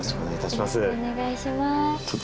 お願いします。